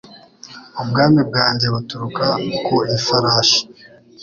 ubwami bwanjye buturuka ku ifarashi